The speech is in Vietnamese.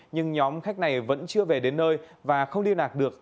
nhưng nhóm khách này vẫn chưa về đến nơi và không liên lạc được